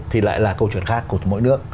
thì lại là câu chuyện khác của mỗi nước